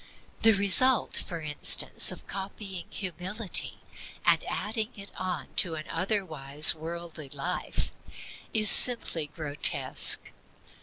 The result, for instance, of copying Humility, and adding it on to an otherwise worldly life, is simply grotesque.